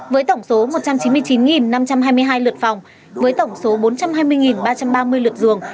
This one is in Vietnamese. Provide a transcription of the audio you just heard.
với tổng số một trăm chín mươi chín năm trăm hai mươi hai lượt phòng với tổng số bốn trăm hai mươi ba trăm ba mươi lượt dường